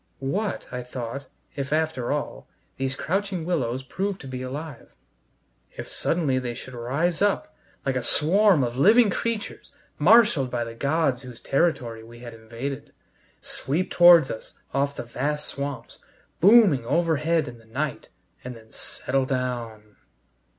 What, I thought, if, after all, these crouching willows proved to be alive; if suddenly they should rise up, like a swarm of living creatures, marshaled by the gods whose territory we had invaded, sweep towards us off the vast swamps, booming overhead in the night and then settle down!